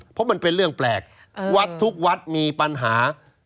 เพราะมันเป็นเรื่องแปลกวัดทุกวัดมีปัญหา